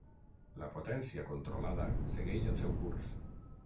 La potència controlada segueix el seu curs.